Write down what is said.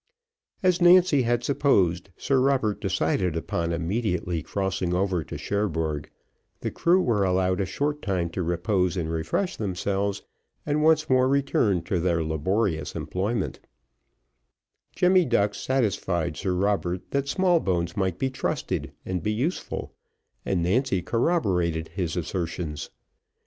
As Nancy had supposed, Sir Robert decided upon immediately crossing over to Cherbourg, the crew were allowed a short time to repose and refresh themselves, and once more returned to their laborious employment; Jemmy Ducks satisfied Sir Robert that Smallbones might be trusted and be useful, and Nancy corroborated his assertions.